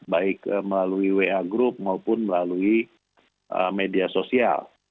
baik melalui wa group maupun melalui media sosial